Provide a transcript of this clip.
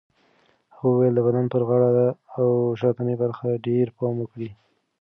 هغه وویل د بدن پر غاړه او شاتنۍ برخه ډېر پام وکړئ.